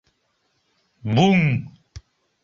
— Буҥ!